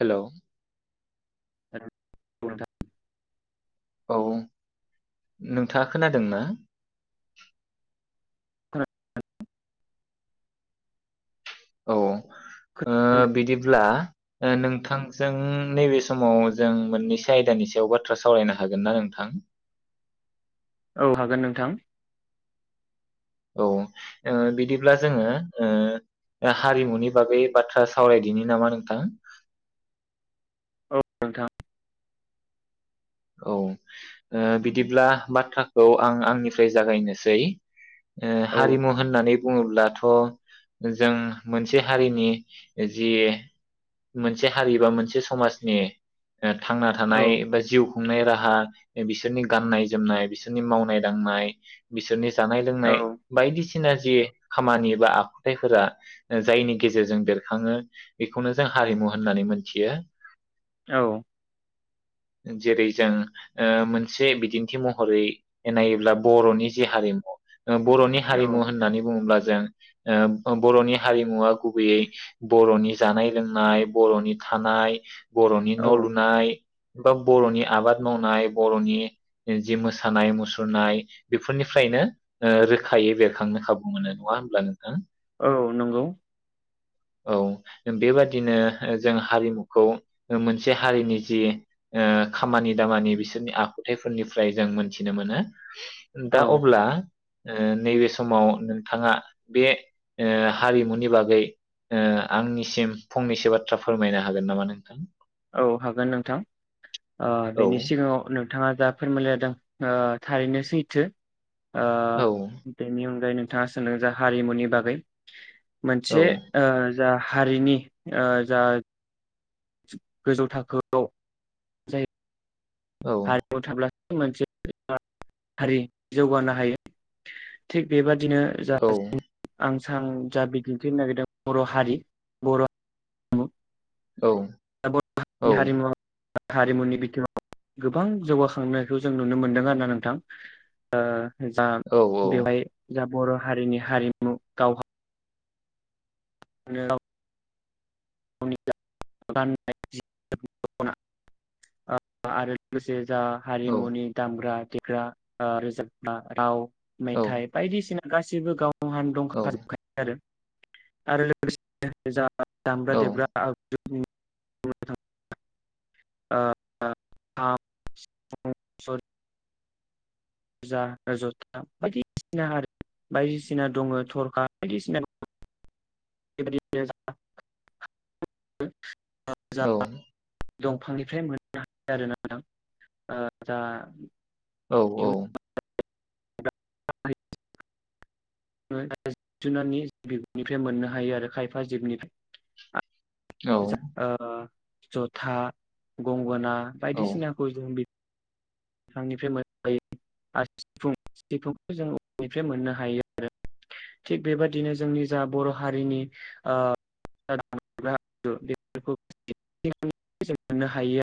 Hello [unintelligible] नोंथां औ नोंथाङा खोनादों ना? [unintelligible] औ ओ खोनादों? बिदिब्ला ओ नोंथांजों नैबे समाव जों मोननैसो आयदानि सायाव बाथ्रा सावरायनो हागोन ना नोंथां? औ हागोन नोंथां। औ ओ बिदिब्ला जोङो ओ हारिमुनि बागै बाथ्रा सावरायदिनि नामा नोंथां। औ नोंथां औ ओ बिदिब्ला बाथ्राखौ आं आंनिफ्राय जागायनोसै। ओ औ हारिमु होननानै बुङोब्लाथ' जों मोनसे हारिनि जि मोनसे हारिबा मोनसे समाजनि ओ थांना औ थानाय एबा जिउ खुंनाय राहा बिसोरनि गाननाय जोमनाय बिसोरनि मावनाय दांनाय बिसोरनि जानाय लोंनाय बायदिसि ना जि खामानि बा आखुथायफोरा जायनि गेजेरजों बेरखाङो बेखौनो जों हारिमु होननानै मोनथियो। औ। जेरै जों ओ मोनसे बिदिन्थि महरै नायोब्ला बर'नि जे हारिमु ओ बर'नि औ हारिमु होननानै बुङोब्ला जों ओ ब बर'नि हारिमुवा गुबैयै बर'नि जानाय लोंनाय बर'नि थानाय बर'नि न औ लुनाय बा बर'नि आबाद मावनाय बर'नि जि मोसानाय मुसुरनाय बेफोरनिफ्रायनो ओ रोखायै बेरखांनो खाबु मोनो नङा होमब्ला नोंथां? औ नंगौ। औ बेबादिनो ओ जों हारिमुखौ मोनसे हारिनि जि ओ खामानि दामानि बिसोरनि आखुथायफोरनिफ्राय जों मोनथिनो मोनो। दा औ अब्ला ओ नैबे समाव नोंथाङा बे ओ हारिमुनि बागै ओ आंनिसिम फंनैसो बाथ्रा फोरमायनो हागोन नामा नोंथां? औ हागोन नोंथां। ओ औ बेनि सिगाङाव नोंथाङा जा फोरमायलायदों ओ थारैनो सैथो। ओ औ बेनि अनगायैनो नोंथाङा सोंदों जा हारिमुनि बागै औ मोनसे ओ जा हारिनि ओ जा गोजौ थाखोआव जाय औ हारिमु थाब्ला मोनसे हारि जौगानो हायो थिग बेबादि औ बिदिनो [unintelligible] आं आं जा बिदिन्थि होनो नागिरदों बर' हारि बर'। हारिमु औ दा बर' औ हारिनि हारिमु हारिमुनि बिथिङाव गोबां जौगाखांनायखौ जों नुनो मोनदों आरोना नोंथां ओ जा औ बेवहाय जाब बर हारिनि हारिमु गाव [unintelligible] गावनि गाननाय जि दखना आरो लोगोसे जा औ हारिमुनि दामग्रा। लिरग्रा ओ रोजाबग्रा राव औ मेथाय बायदिसिना गासिबो गाव। गावनि औ दंखाजोबखायो आरो। आरो लोगोसे जा। औ देग्रा आग [unintelligible] सेरजा जथा बायदिसिना हारिमुनि बायदिसिना दङ थरखा बायदिसिना [unintelligible] जा औ दंफांनिफ्राय मोननो हायो आरोना नोंथां ओ दा औ औ [unintelligible] जिब जुनारनि बिगुरनिफ्राय मोननो हायो आरो खायफा औ जिबनिफ्राय ओ जथा गंगना औ बायदिसिनाखौ जो बि बिफांनिफ्राय मोननो हायो आरो सिफुं सिफुंखौ जों औवानिफ्राय मोननो हायो आरो थिग बेबादिनो जोंनि जा बर' हारिनि ओ बेफोरखौनो मोननो हायो।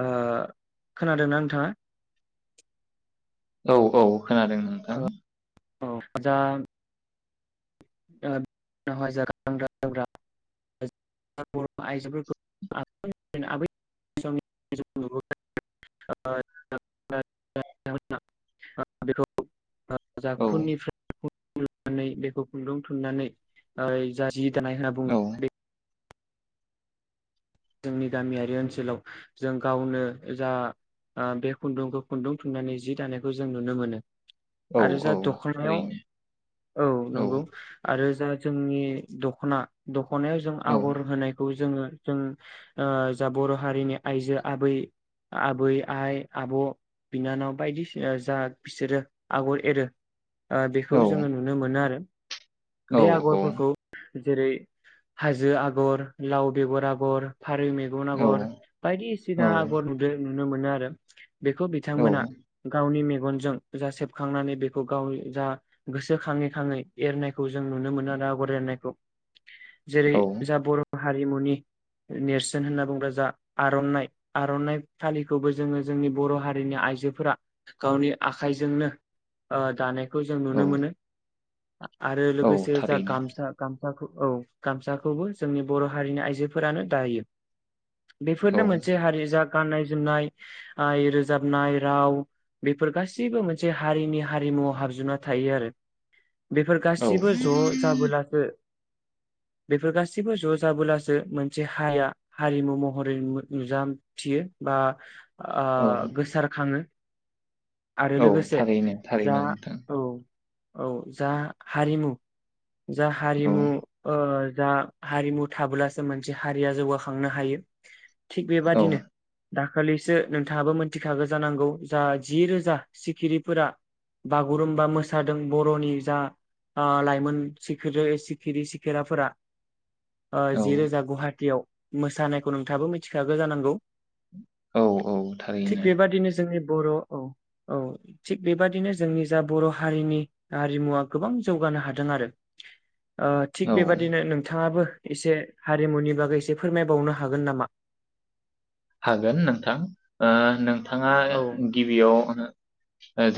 ओ खोनादोंना नोंथाङा? औ औ। खोनादों नोंथां औ आटसा। [unintelligible] [unintelligible] ओ बेखौ जा औ खुनिफ्राय। [unintelligible] बेखौ खुन्दुं थुननानै ओ जा जि दानाय होनना औ बुङो बे जोंनि गामियारि ओनसोलाव जों गावनो जा बे खुन्दुंखौ खुन्दुं थुननानै जि दानायखौ जों नुनो मोनो औ आरो औ जा दखनायाव ओरैनो औ नंगौ आरो जा जोंनि दखना द दखनायाव जों औ आगर होनायखौ जोङो जों ओ जा बर' हारिनि आइजो आबै आबै आइ आब' बिनानाव बायदिसिना जा बिसोरो आगर एरो ओ औ बेखौ जोङो नुनो मोनो आरो। औ बे औ आगरफोरखौ जेरै हाजो आगर लाव बेगर आगर फारौ मेगन आगर बायदिसिना औ आगर नुदों नुनो मोनो आरो बेखौ बिथांमोना गावनि मेन मेगनजों जा सेबखांनानै बेखौ गाव जा गोसो खाङै खाङै एरनायखौ जों नुनो मोनो आरो आगर एरनायखौ। जेरै जा बर' हारिमुनि नेरसोन होनना बुंब्ला जा आरनाइ आरनाइ फालिखौबो जोङो जोंनि बर' हारिनि आइजोफोरा गावनि आखाइजोंनो ओ दानाय खौ जों औ नुनो मोनो [inaudible] आरो औ लोगोसे जा थारैनो गामसा गाम साखौ औ गामसाखौबो जोंनि बर' हारिनि आइजोफोरानो दायो औ बेफोरनो मोनसे हारि जा गाननाय जोमनाय रोजाबनाय राव बेफोर गासैबो मोनसे हारिनि हारिमुआव हाबजोबना थायो आरो बेफोर औ गाससिबो ज' जाबोलासो बेफोर गासिबो ज जाबोलासो मोन मोनसे हारिया हारिमु महरै नु-नुजाथियो बा आ औ गोसारखाङो आरो औ लोगोसे थारैनो जा थारैनो नोंथां। औ औ जा हारिमु जा औ हारिमु ओ दा हारिमु थाब्लासो मोन हारिया जौगाखांनो हायो। थिग औ बेबादिनो दाखालिसो नोंथाङाबो मोनथिखागो जानांगौ जा जि रोजा सिखिरिफोरा बागुरुम्बा मोसादों बरनि जा ओ लाइमोन सिखोरो सिखिरि सिखिराफोरा अ औ जिरोजा गुहाटियाव मोसानायखौ नोंथाङाबो मिथिखागो जानांगौ। औ औ थिग थारैनो बेबादिनो जोंनि बर' औ औ थिग बेबादिनो जोंनि जा बर' हारिनि हारिमुवा गोबां जौगानो हादों आरो थिग औ बेबादिनो नोंथाङाबो एसे हारिमुनि बागै एसे फोरमायबावनो हागोन नामा? हागोन नोंथां ओ नोंथ थाङा औ गिबियाव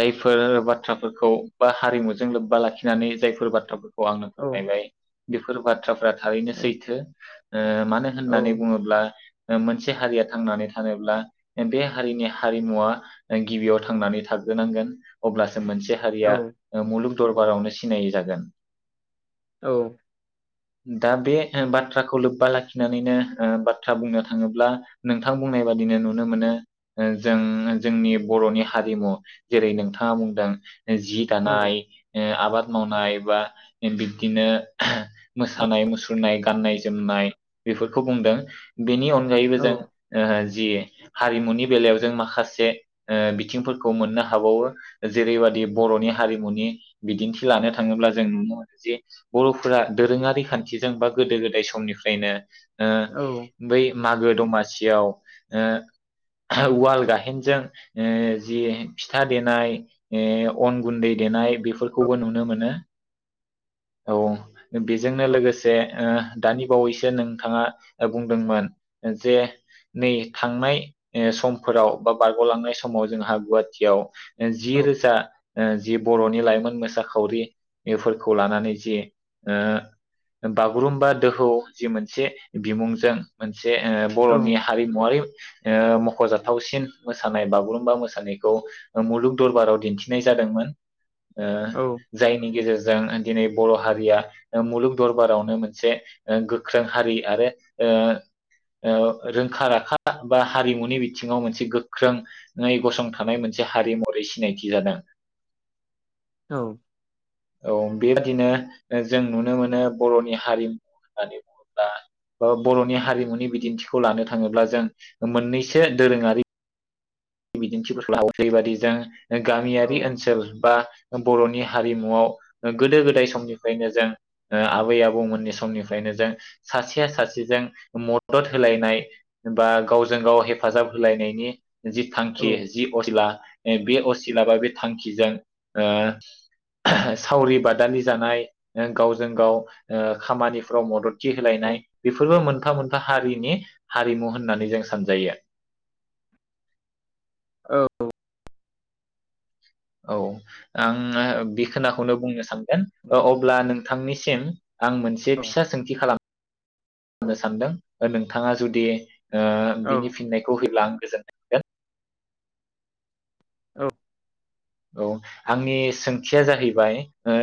जायफोर बाथ्राफोरखौ बा हारिमुजों लोब्बा लाखिनानै जायफोर बाथ्राफोर औ आंनो फोरमायबाय बेफोर बाद थ्राफ्रा थारैनो औ सैथो ओ मानो औ होननानै बुङोब्ला मोनसे हारिया थांनानै थानोब्ला बे हारिनि हारिमुवा गिबियाव थांनानै थाग्रोनांगोन अब्लास मोनसे हारिया औ मुलुग दरबारावनो सिनाय जागोन। औ दा बे बाथ्राखौ लोब्बा लाखिनानैनो ओ बाथ्रा बुंनो थाङोब्ला नोंथां बुंनाय बादिनो नुनो मोनो ओ जों जोंनि बर'नि हारिमु जेरै नोंथाङा बुंदों जि दानाय ओ आबाद मावनाय बा बिब्दिनो ओहो मोसानाय मुसुरनाय गाननाय जोमनाय बेफोरखौ बुंदों बेनि औ अन [unintelligible] ओ जि हारिमुनि बेलायाव जों माखासे ओ बिथिंफोरखौ मोननो हाबावो जेरैबादि बर'नि हारिमुनि बिदिन्थि लानो थाङोब्ला जों नुनो मोनो जे बर'फोरा दोरोङारि खान्थिजों बा गोदो गोदाय समनिफ्रायनो ओ औ बै मागो दमासि याव ओ हो उवाल गाहेनजों ओ जि फिथा देनाय ओ अन गुन्दै देनाय बेफोरखौबो नुनो मोनो। औ बेजोंनो लोगोसे ओ दानि बावैसो नोंथाङा बुंदोंमोन जे नै थांनाय ओ समफोराव बा बारगलांनाय समाव जोंहा गुवातियाव जि औ रोजा ओ जि बर'नि लाइमोन मोसाखावरिफोरखौ लानानै जि बागुरुम्बा दोहौ जि मोनसे बिमुंजों जे ओ बर'नि औ हामुवारि ओ मख'जाथावसिन मोसानाय बागुरुम्बा मोसानायखौ मुलुग दरबाराव दिन्थिनाय जादोंमोन। ओ जायनि गेजेरज जों दिनै बर' हारिया मुलुग दरबारावनो मोनसे गोख्रों हारि आरो ओ ओ रोंखा राखा बा हारिमुनि बिथिङाव मोनसे गोख्रोङै गसंथानाय मोनसे हारि महरै सिनायथि जादों। औ औ बेनो बिदिनो जों नुनो मोनो बर'नि हारिमु होननानै बुङोब्ला बर'नि हारिमुनि बिदिन्थि खौ लानो थाङोब्ला जों मोननैसो दोरोङारि बिदिन्थिफोरखौ गामियारि ओनसोल बा बर'नि हारिमुआव गोदो गोदाय समनिफ्रायनो जों ओ आबै आबौमोननि समनिफ्रायनो जों सासेया सासेजों मदद होलायनाय बा गावजों गाव हेफाजाब होलायनायनि जि थांखि जि अजिला बे असिला बा बे थांखिजों ओ सावरि बादालि जानाय गावजों गाव ओ खामानिफ्राव मदद होलायनाय बेफोरबो मोनफा मोनफा हारि हारिमु होननानै जों सानजायो। औ आं बे खोनाखौनो बुंनो सान औ अब्ला नों थांनिसिम आं मोनसे फिसा सोंथि खालामनो सानदों नों थाङा जुदि ओ औ औ बिनि फिननायखौ होयोब्ला गोजोन मोनगोन। औ औ आंनि सोंथिया जाहैबाय ओ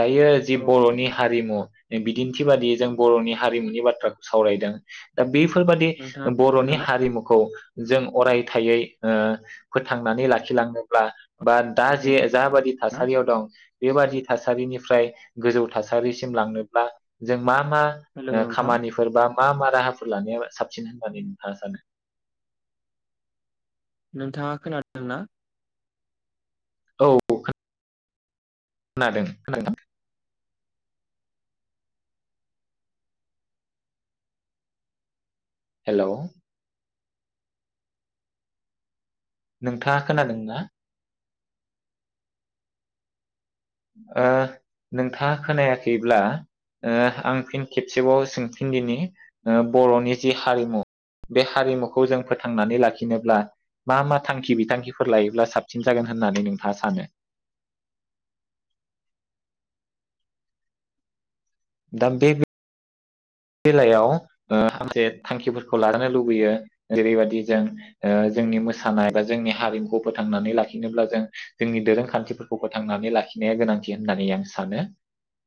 दायो जि बर'नि हारिमु बिदिन्थि बादियै जों बर'नि हारिमुनि बाथ्राखौ सावरायदों दा बेफोरबादि नोंथाङा बर'नि खोनादोंना? हारिमुखौ जों अरायथायै फोथांनानै लाखिलांनोब्ला बा दा जे नोंथां जाबादि थासारियाव दं। बेबादि थासारिनिफ्राय गोजौ थासारिसिम लांनोब्ला जों मा मा हेलौ नोंथां खामानिफोर बा मा मा राहाफोर लानाया साबसिन होननानै नोंथाङा सानो? नोंथाङा खोनादोंना? औ खोनादों खोनादों हेल, नोंथाङा खोनादों ना? ओ नोंथाङा खोनायाखैब्ला ओ आं फिन खेबसेबाव सोंफिनदिनि बर'नि जि हारिमु बे हारिमुखौ जों फोथांनानै लाखिनोब्ला मा मा थांखि बिथांखिफोर लायोब्ला साबसिन जागोन होननानै नोंथाङा सानो? दा बे बेलायाव ओ थांखे थांखिफोरखौ लानो लुबैयो जेरैबादि जों जोंनि मोसानाय बा जोंनि हारिमुखौ फोथांनानै लाखिनोब्ला जों जोंनि दोरोंखान्थिफोरखौ फोथांनानै लाखिनाया गोनांथि होननानै आं सानो।